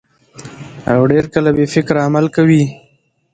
ډېر کله بې فکره عمل کوي.